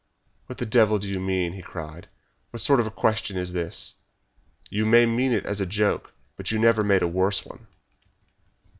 "What the devil do you mean?" he cried. "What sort of a question is this? You may mean it as a joke, but you never made a worse one."